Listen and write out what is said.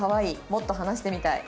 「もっと話してみたい」。